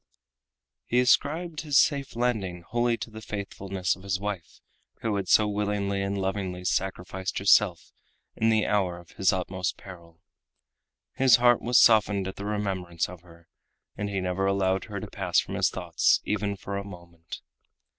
He ascribed his safe landing wholly to the faithfulness of his wife, who had so willingly and lovingly sacrificed herself in the hour of his utmost peril. His heart was softened at the remembrance of her, and he never allowed her to pass from his thoughts even for a moment.